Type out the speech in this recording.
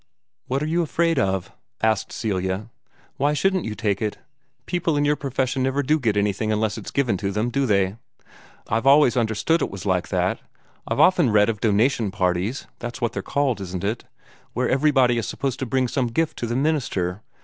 "What are you afraid of?" asked Celia. "Why shouldn't you take it? People in your profession never do get anything unless it's given to them, do they? I've always understood it was like that. I've often read of donation parties that's what they're called, isn't it? where everybody is supposed to bring some gift to the minister.